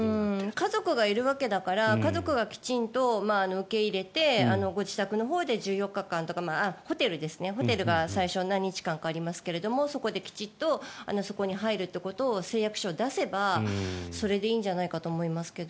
家族がいるわけだから家族がきちんと受け入れてご自宅のほうで１４日間とかホテルが最初何日間かありますけどそこできちんとそこに入るということを誓約書を出せばそれでいいんじゃないかと思いますけど。